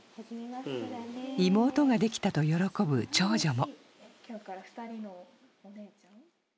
妹ができたと喜ぶ長女も。